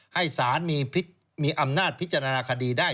ให้สารมีอำนาจพิจารณาคดีได้